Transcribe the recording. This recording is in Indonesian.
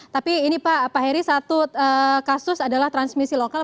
tapi ini pak heri satu kasus adalah transmisi lokal